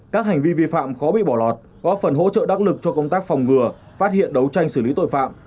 các hành vi vi phạm khó bị bỏ lọt có phần hỗ trợ đắc lực cho công tác phòng ngừa phát hiện đấu tranh xử lý tội phạm